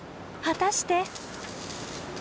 果たして？